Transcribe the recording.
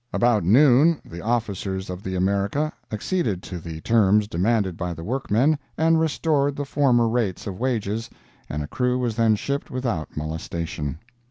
About noon the officers of the America acceded to the terms demanded by the workmen, and restored the former rate of wages, and a crew was then shipped without molestation.